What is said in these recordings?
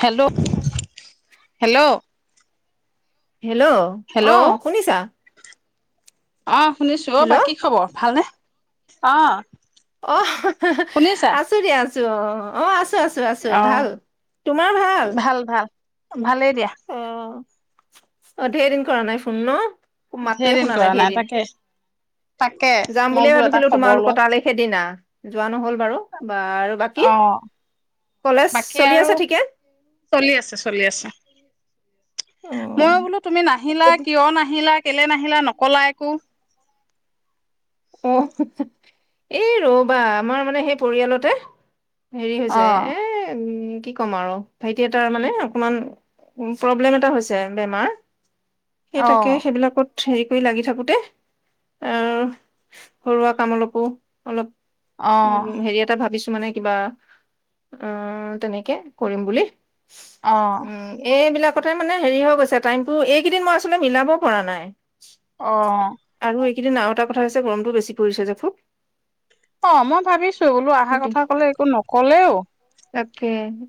Hello, hello hello, hello অ শুনিছা? অ শুনিছোঁ, অ' হেল্ল' বা কি খবৰ ভালনে? অঁ অ' হ হ হ, আছো দিয়া, আছো ছো, অ, অ আছ আছো, আছো, আছো ভাল, তোমাৰ ভাল। ভালেই দিয়া। অ অ', ধেৰ দিন কৰা নাই ফোন ন? ধেৰ মাতটোৱে দিন শুনা কৰা নাই ধেৰদিন, তাকে তাকে যাম মই বুলিয়ে বোলো এটা ভাবিছিলো খবৰ লওঁ তোমালোকৰ তালৈ সেইদিনা, যোৱা নহ'ল বাৰু, বাৰু বাকী? অ কলেজ বাকী চলি আছে আৰু, ঠিকে চলি আছে, চলি আছে। অ ময়ো বোলো তুমি নাহিলা, এতি- কিয় নাহিলা? কেলে নাহিলা নকলা একো। আহ হো হো হো এই ৰবা আমাৰ মানে সেই পৰিয়ালতে হেৰি অ হৈছে এ উম কি ক'ম আৰু ভাইটি এটাৰ মানে অকমান প্ৰব্লেম এটা হৈছে বেমাৰ। সেই অ তাকে সেইবিলাকত হেৰি কৰি লাগি থাকোতে আৰু ঘৰুৱা কাম অলপো অলপো অলপ অ উ হেৰি এটা ভাবিছো। মানে কিবা অ' তেনেকে কৰিম বুলি অ উম এইবিলাক কথাই মানে হেৰি হৈ গৈছে টাইমটো এইকেইদিন মই আচলতে মিলাবও পৰা নাই। অ' কিন্তুাও এটা কথাছে। গৰমতটো বেছি পৰিছে যে খুব। অ' মই ভাবিছো বোলো অহা কথা কলে একো নকলেও।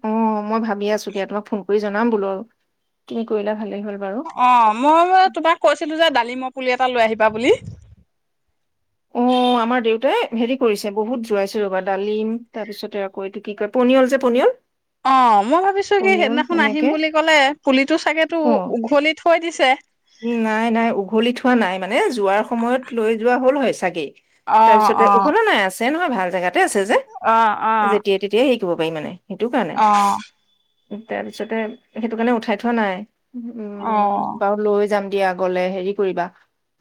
অ'মই ভাবি আছো কিয় তোমাক ফোন কৰি জনাম বোল তুমি কৰিলা। ভালেই হ'ল বাৰু অ'মই তোমাক কৈছিলো যে ডালিম পুলি এটা লৈ আহিবি। বা বুলি অ'আমাৰ দেউতাই হেৰি কৰিছে বহুত জোৱাইছো ৰবা ডালিম তাৰপিছতে আকৌ এইটো কি কয় পনিয়ল যে পনিয়ল। অ'মই ভাবিছো কি পনিয়ল সেইদিনাখন আহিম এনেকে বুলি ক'লে পুলিটো চাগেতো অ উঘলি কৈ দিছে। নাই, নাই উঘলি থোৱা নাই মানে যোৱাৰ সময়ত লৈ যোৱা হল, হয় চাগেই। অ তাৰপিছতে অ উপলা নেছ। নহয় ভাল জেগাত এই আছে যে অ অ যেতিয়া তেতিয়া হবএই মানে? সেইটো কাৰণে অ উ তাৰ পিছতে সেইটো কাৰণে উঠাই থোৱা নাই। অ উম বাৰু লৈ যাম দিয়া গলে হেৰি কৰিবা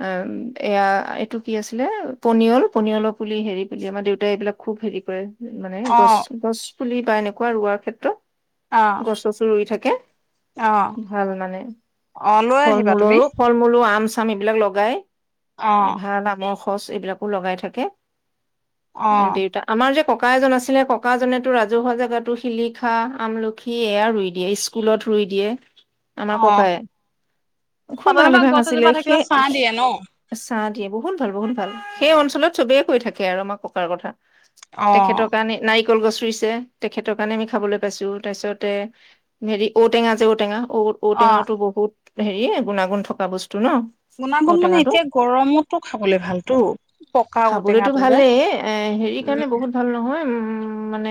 অ'এয়া এইটো কি আছিলে পনিয়ল পনিয়লৰ পুলি হেৰি প আমাৰ দেউতাই এইবিলাক খুব হেৰি কৰে। মানে অ গছ, গছ পুলি বা এনেকুৱা ৰোৱাৰ ক্ষেত্ৰত অ গচ্ছচো ৰুই থাকে। অ কি ভাল মানে। অ লৈ ফল আহিবা তুমি মূলৰো, ফল মূলো আম। চাম! এই বিলাক লগাই। অ এই ভাল নামৰ। খচ, এইবিলাকো লগাই থাকে। অ দেউতা আমাৰ যে! ককা এজন আছিলে। ককাাজনেতো ৰাজহুৱা জেগাতো শিলিখা, আমলখি এয়া ৰুই দিয়ে স্কুলত ৰুই দিয়ে। আমাৰ অ ককাই। অ খুব ভালে তেনেকুৱা ভাগ গছ আছিলে। এজোপা থাকিলে সেই ছাঁ দিয়ে ন চাহ দিয়ে। বহুত ভাল। বহুত ভাল। সেই অঞ্চলত চবেই। কৈ থাকে আৰু আমাক ককাৰ কথা। অ তেখেতৰ কাৰণে নাই কল গছ ৰুইছে। তেখেতৰ কাৰণে আমি খাবলৈ পাইছো। তাৰপিছতে হেৰি ঔ টেঙা যে ঔ টেঙা। ঔ ঔ অ টেঙাটো বহুত। হেৰি গুণাগুণ থকা বস্তু। ন গুনা গুণ মানে ঔটেঙাটো এতিয়া গৰমতো খাবলে ভালতো। পকাও খাবলৈতো ঔটেঙাটো যে ভালেই, এ হেৰি কাৰণে উম। বহুত ভাল নহয় উম মানে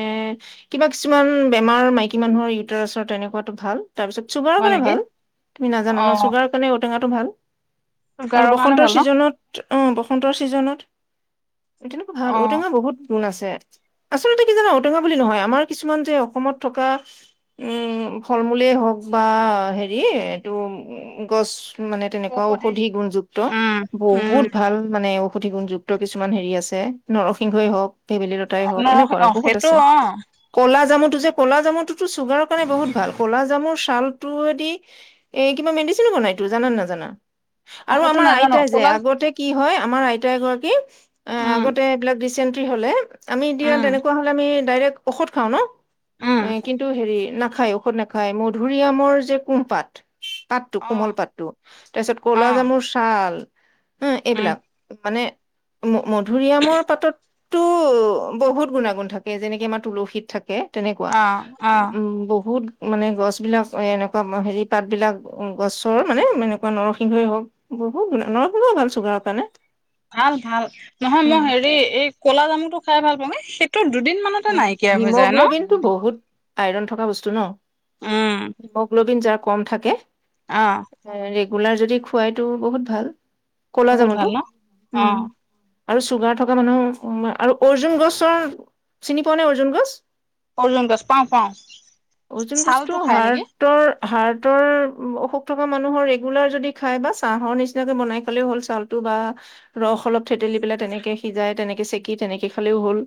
কিবা কিছুমান বেমাৰ মাইকী মানুহৰ ইউটাৰাছৰ তেনেকুৱাতো ভাল। তাৰপিছত চুগাৰ হয় কৰে নেকি ভাল। নাজানা অ ন চুগাৰ কাৰণে। ঔ টেঙাটো ভাল। আৰু চুগাৰৰ কাৰণে বসন্তৰ ভাল ন ছিজনত। অ' বসন্তৰ ছিজনত। এ তেনেকুৱ ভাল অ ঔটেঙা বহুত গু আছে। আচলতে কি জানা? ঔটেঙা বুলি নহয় আমাৰ কিছুমান যে অসমত থকা উম ফল মূলে হওক বা হেৰি। এইটো গছ। মানে তেনেকুৱা ঔষধি গুণযুক্ত উম উম বহুত ভাল, মানে ঔ কুঠি গুণযুক্ত কিছুমান হেৰি আছে। নৰসিংহই হওক। ভেবেলী লতাই হওক, নৰসিংহ এনেকুৱা অ আৰু বহুত সেইটো আছে। অ কলা জামুটো যে। ক'লা জামুটোতো চুগাৰৰ কাৰণে বহুত ভাল। ক'লা জামুৰ ছালটোৱেদি এ কিবা মেডিচিনো বনাইতো জানানে নাজানা? অ আৰু সেইটো আমাৰ নাজানো আইতাই যে ক'লা আগতে কি হয়। আমাৰ আইতা এগৰাকী। অ' উম আগতে এইবিলাক ৰিচেণ্ট। হলে। আমি এতিয়া উম তেনেকুৱা হলে আমি। ডাইৰেক্ট ঔষধ খাওঁ ন উম অ কিন্তু হেৰি নাখ খাই ঔষধ নাখায় মধুৰিআমৰ যে কুঁহপাত পাতটো অ কোমল পাতটো তাৰপিছত অ কলা জামুৰ ছাল উ', উম এইবিলাক মানে মধুৰি আমৰ পাততো বহুত গুণাগুণ থাকে যেনেকে আমাৰ তুলসীত থাকে তেনেকুৱা অ অ উম বহুত মানে গছ বিলাক এ', এনেকুৱা হেৰি পাত বিলাক গছৰ মানে এনেকুৱা নৰসিংহই হওক বহু নৰসিংহ ভাল চুগাৰৰ কাৰণে ভাল ভাল নহয় মই উম হেৰি এই কলা জামু খাই ভাল পা নে সেইটো দুদিন মানতে নাইকিয়া হৈ যায় ন হিমগ্লবিন টো বহুত আইৰণ থকা বস্তু ন উম হিমগ্লবিন যাৰ কম থাকে অ হয় ৰেগ গোলাৰ যদি খোৱাইতো বহুত ভাল ক'লা বহুত যামনতো ভাল ন অ উম', আৰু চুগাৰ থকা মানুহ আৰু অৰ্জুন গছৰ চিনি পোৱা নে অৰ্জুন গছ। অৰ্জুন গছ পাওঁ - পাওঁ অৰ্জুন গছটো ছালটো খাই নেকি? হাৰ্টৰ হাৰ্টৰ অসুখ থকা মানুহৰ ৰেগুলাৰ যদি খাই বা ছাহৰ নিচিনাকে বনাই খালেও হ'ল চাউলটো বা ৰস অলপ থেতেলি পেলাই তেনেকে সিজাই তেনেকে চেকি তেনেকে খালেও হ'ল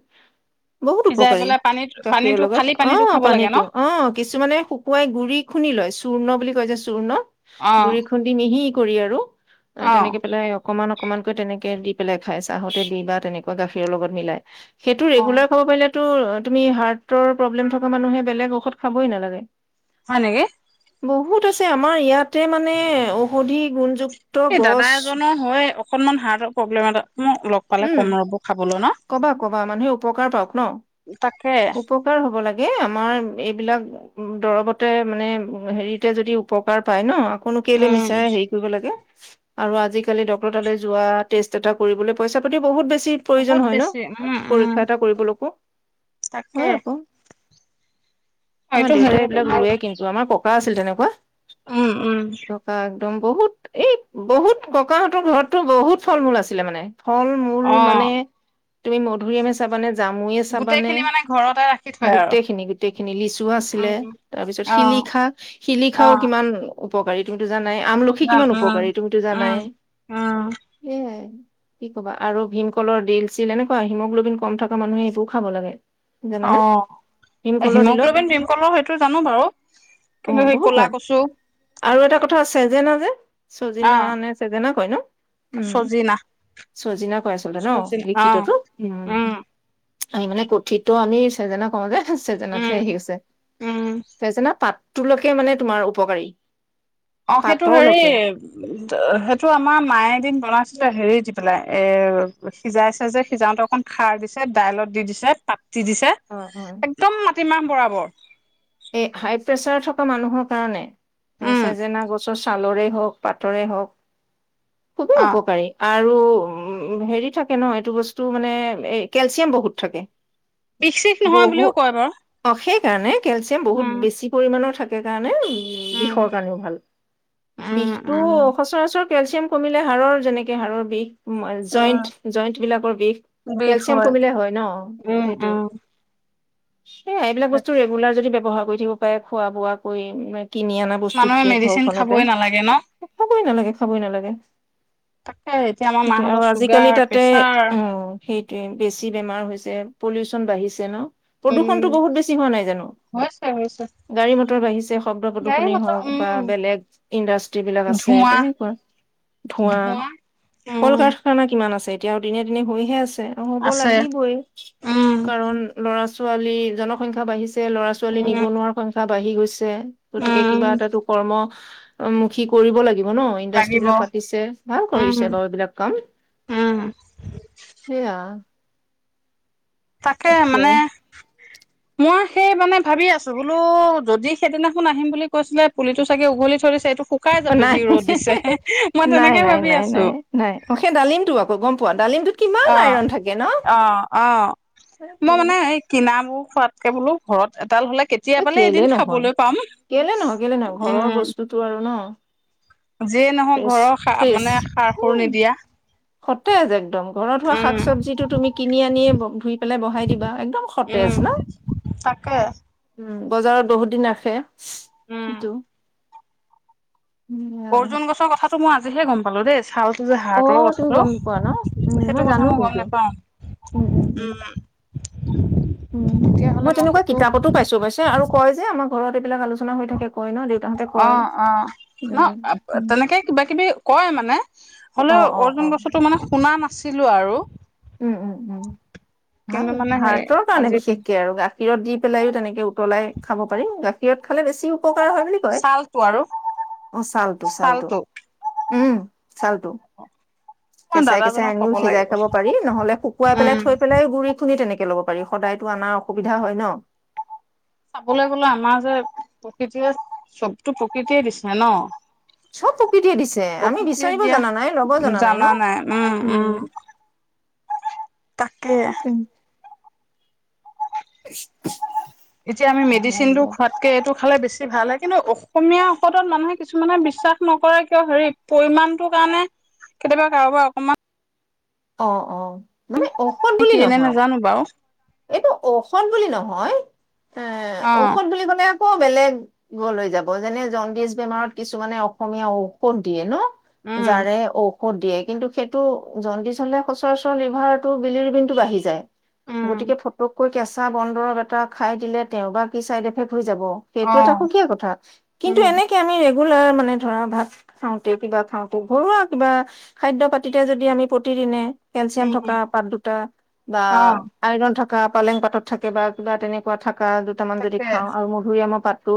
বহুত সিজাই উপকাৰী পেলাই পানীত গাখীৰৰ পানীটো খালি লগত পানীটো অ খাব লাগে ন পানীতো অ কিছুমানে শুকুৱাই গুৰি খুন্দি লয় চূৰ্ণ বুলি কৈ যে চূৰ্ণ অ গুৰি খুন্দি মিহি কৰি আৰু অ ', অ তেনেকে পেলাই অকমান অকমানকৈ তেনেকে দি পেলাই খাই চাহতে দি বা তেনেকুৱা গাখীৰৰ লগত মিলাই সেইটো অ ৰেগুলাৰ সেইটো তুমি হাৰ্টৰ প্ৰব্লেম থকা মানুহে বেলেগ ঔষধ খাবই নালাগে। হয় নেকি বহুত আছে আমাৰ ইয়াতে মানে ঔষধি গুণযু এই দাদা এজনৰ হয় অকণমান হাৰ্টৰ প্ৰব্লেম এটা মই লগ পালে উম কম ৰ'ব খাবলৈ ন কবা কবা মানুহে উপকাৰ পাওক ন তাকে উপকাৰ হ'ব লাগে আমাৰ এইবিলাক দৰৱতে মানে, হেৰিতে যদি উপকাৰ পায় ন', কোনো কেইলে উম মিছাৰে হেৰি কৰিব লাগে। আৰু আজিকালি ডক্তৰৰতালৈ যোৱা টেষ্ট এটা কৰিবলৈ পইছা পাটি বহুত বেছি চিট বহুত প্ৰয়োজন হয় ন বেছি উম উম পৰীক্ষা এটা কৰিবলৈকো। তাকে হয় আকৌ, অ হয়টো হেৰি দেউতাই এইবিলাক তোমাৰ লোৱে কিন্তু আমাৰ ককা আছিল তেনে। উৱা উম উম দম বহুত এই বহুত ককাহঁতৰ ঘৰতটো বহুত ফল মূল আছিলে মানে। হল মোৰ অ মানে তুমি মধুৰিআমে চাবানে জামুয়ে গোটেই চাবানে খিনি মানে ঘৰতে ৰাখি থয় আৰু গোটেইখিনি গোটেইখিনি লিচু উম আছিলে তাৰপিছত অ শিলিখা অ শিলিখাও কিমান উপকাৰি দোবিদ জানাই আমলখি যাম কিমান উম উপকাৰী তুমিতো উম জানাই উম সেয়াই। কি কবা আৰু ভীমকলৰ দিল চিল এনেকুৱা হিমগ্ল'বিন কম থকা মানুহে সেইটোও খাব লাগে। অ জানানে ভিমকলৰ দিলত হিমগ্ল'বিন ভীমকলৰ সেইটো জানো বাৰু অ কিন্তু সেই বহুত ক'লা ভাল কচু আৰু এটা কথা চেজেনা যে অ চজিনা নে চেজেনা কয় ন উম। চজিনা চজিনা কয় আছিলে ন চজিনা অ লিখিততো উম। আমি মানে কুথিত আমি চেজেনা কওঁ যে। হম চেজেনাথু উম আহি আছে উম চেজেনা পাত তুলসীয়ে মানে তোমাৰ উপকাৰী। অ সেইটো হেৰি পাতৰলৈকে সেইটো আমাৰ মায়ে দিন বনাইছিলে হেৰি দি পেলাই এ সিজাইছেযে সিজাওতে অকন খাৰ দিছে দাইলত দি দিছে পাত। দি দিছে অ', একদম কিমান বৰাবৰ? এ হাই প্ৰেচাৰ থকা মানুহৰ কাৰণে! চেজেনা গছ ছালৰে হওক পাটৰে হওক। খুবেই উপকাৰী আ আৰু উ হেৰি থাকে নহয় এইটো বস্তু মানে এই কেলচিয়াম বহুত থাকে। বিশ চিশ নহয় বুলিও কয় বাৰু। কাৰনে কেলচিয়াম বহুত উম বেছি পৰিমাণৰ থাক সেকাৰণে উম উ উম বিষৰ কাৰণেও ভাল উম বিষটো সচৰাচৰ কেলচিয়াম কমিলে হাড়ৰ যেনেকে হাড়ৰ বিষ। উম জইন্ট উম জইন্ট বিলাকৰ বিষ কেলচিয়াম কমিলে হয় ন উম সেইটো। উম সেয়া এইবিলাক বস্তু। যদি ব্যৱহাৰ কৰি থাকিব পাৰে খোৱা বোৱা কৰি কিনি অনা মানুহে বস্তুতকে মেডিচিন ঘৰখনতে খাবই নালাগে ন খাবই নালাগে খাবই নালাগে তাকে এতিয়া আমাৰ সেইটোয়ে আৰু মাহঁতৰ আজিকালি চুগাৰ তাতে প্ৰেচাৰ অ সেইটোয়ে বেছি বেমাৰ হৈছে। পলিউচন বাঢ়িছে ন উম প্ৰদূষণতটো বহুত বেছি হোৱা নাই জানোঁ। হৈছে হৈছে গাড়ী মটৰ বাঢ়িছে শব্দ গাড়ী প্ৰদূষনে মটৰ হওক বা উম বেলেগ ইণ্ডাষ্ট্ৰ্ৰী বিলাক আছে ধোঁৱা তেনেকুৱা ধোৱা ধোঁৱা কল উম কাৰখানা কিমান আছে এতিয়াও দিনে দিনে হৈহে আছে। হ'ব আছে লাগিবই উম কাৰণ ল'ৰা ছোৱালী জনসংখ্যা বাঢ়িছে ল'ৰা ছোৱালী উম নিবনুৱাৰ সংখ্যা বাহি গৈছে গতিকে উম কিবা এটাতটো কৰ্ম অ মুুখী কৰিব লাগিব ন ইণ্ডাষ্ট্ৰী লাগিব বিলাক পাতিছে ভাল উম কৰিছে বাৰু এইবিলাক কাম উম সেইয়া তাকে মানে মই সেই মানে ভাবি আছোঁ বোলো যদি সেইদিনাখন আহিম বুলি কৈছিলে পুলিটো চাগে উঘলি থই‌ দিছে এইটো শুকাই অ যাব নাই যি ৰ'দ দিছে মই নাই তেনেকে নাই ভাবি নাই আছো নাই নাই অ সেই ডালিমটো আকৌ গম পোৱা ডালিমটোত কিমান অ আইৰন থাকে ন অ অ মই মানে এ এই কিনাবোৰ খোৱাতকে বোলো ঘৰত এডাল হলে এ কেতিয়াবালে কেলে এদিন নহয় খাবলৈ পাম কেলে নহয় কেলে নহয় ঘৰৰ উম বস্তুতো আৰু ন। যিয়ে নহওক ফেছ ঘৰৰ সা ফ্ৰেছ মানে সাৰ সুৰ নিদিয়া সতেজ একদম ঘৰত হোৱা উম শাক চবজিটো তুমি কিনি আনিয়ে ধুই পেলাই বহাই দিবা একদম উম সতেজ ন তাকে বজাৰত বহুত দিন ৰাখে। উম কিন্তু অৰ্জুন গছৰ কথাটো মই আজিহে গম দে খালটো যে হাড় অ তলৰ তুমি কথাটো গম নোপোৱা ন উম সেইটো জানো কথা মই কিন্তু গম নোপাওঁ উম উম তেতিয়াহ'লে মই তেনেকুৱা সেইটো কিতাপতো পাইছো পাইছো আৰু কয় যে আমাৰ ঘৰত এইবাক আলোচনা হৈ থাকে কয় ন দেউতাহঁতে অ কয় অ ন উম তেনেকে কিবা কিবি কয় মানে অ হলেও অ অৰ্জুন অ গছতো মানে শুনা ছিলোঁ আৰু উম উম উম ভাল। কিন্তু মানে সেই হাৰ্টৰ কাৰণে আজি বিশেষকে আৰু গা গাখীৰত দি পেলায়ো তেনেকৈ উতলাই খাব পাৰি। গাখীৰত খালে বেছিও ছালটো আৰু ছালটো। উম চালটো [unintelligible] মই কেঁচাই কেঁচাই দাদাজনক আনিও ক'ব সিজাই লাগিব খাব পাৰি, নহলে শুকুৱাই উম পেলাই থৈ পেলাই গুৰি খুন্দি তেনেকে ল'ব পাৰি। সদায়তো অনাৰ অসুবিধা হয় ন? চাবলৈ গলে আমাৰ যে প্ৰকৃতিয়ে চবতো প্ৰকৃতিয়ে দিছে ন? চব প্ৰকৃতিয়ে দিছে। আমি প্ৰকৃতিয়ে বিচাৰিব দিয়া জনা নাই ল'ব জনা নাই ন? উম তাকে [unintelligible] এতিয়া আমি মেডিচিন টো খোৱাতকে এইটো খালে বেছি ভাল হে, কিন্তু অসমীয়া ঔষধত মানুহে কিছুমানে বিশ্বাস নকৰে কিয়, হেৰি পৰিমাণটোৰ কাৰণে কেতিয়াবা কাৰোবাৰ অকণমান অ' অ' মানে ঔষধ বুলি কেলে নহয় নাজানো বাৰু? এইটো ঔষধ বুলি নহয় এ অ ঔষধ বুলি ক'লে আকৌ বেলেগলৈ যাব। যেনে জণ্ডিচ বেমাৰত কিছুমানে অসমীয়া ঔষধ দিয়ে ন? উম জাৰে, ঔ ক'ত দিয়ে? কিন্তু সেইটো জ্ণ্ডিচ হ'লে সচৰাচৰ লিভাৰটো বিলিৰিবিনটো বাঢ়ি যায়। উম গতিকে ফটোকৈ কেছ চা বন দৰৱ এটা খাই দিলে তেওঁৰ বা কি চাইড এফেক্ট হৈ যাব। অ সেইটো এটা সুকীয়া কথা। কিন্তু উম এনেকে আমি মোৰ ল'ৰাৰ, মানে ধৰা ভাত খাওঁতে কিবা খাওঁতে, ঘৰুৱা কিবা খাদ্য পাতিতে যদি, আমি প্ৰতিদিনে কেলচিয়াম থকা উম পাত দুটা, বা অ থকা পালেং পাতত থাকে বা কিবা তেনেকুৱা থাক কাৰ দুটামান যদি তাকে খাওঁ আৰু মধুৰি আমাৰ পাত, তো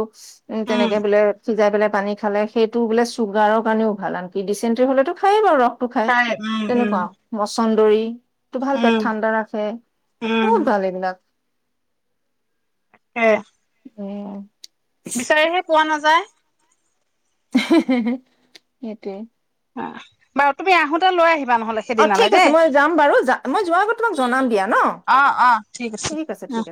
উম তেনেকে বোলে? সিজাই পেলাই পানী খালে, সেইটো বোলে চুগাৰৰ কাৰণেও ভাল আনকি ডিচেণ্টৰী হলে খায়েই বাৰু ৰখ হয়, উম উম চন্দৰী, তোৰ ভাল পেট উম ঠাণ্ডা ৰাখে, উম বহুত ভাল এইবিলাক। [inaudible] উম বিচাৰিহে পোৱা নাযায় [unintelligible] সেইটোৱে। অ বাৰু তুমি আহোতে লৈ আহিবা নহ'লে অ সেইদিনালে ঠিক আছে দেই মই যাম বাৰু যা মই যোৱাৰ আগত তোমাক জনাম দিয়া ন? অ‌ অ ঠিক আছে উম